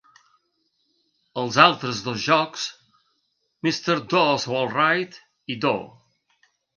Els altres dos jocs, Mr. Do 's Wild Ride i Do!